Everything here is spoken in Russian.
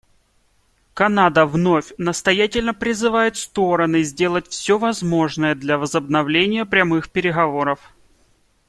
Канада вновь настоятельно призывает стороны сделать все возможное для возобновления прямых переговоров.